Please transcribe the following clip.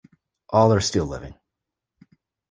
All are still living.